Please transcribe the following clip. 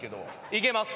いけます。